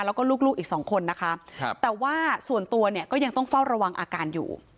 แล้วก็ลูกอีกสองคนนะคะแต่ว่าส่วนตัวเนี่ยก็ยังต้องเฝ้าระวังอาการอยู่